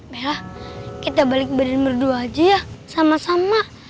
bella kita balik badan berdua aja ya sama sama